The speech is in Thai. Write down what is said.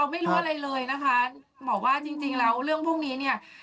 บอกว่าจริงแล้วเรื่องพวกนี้นี่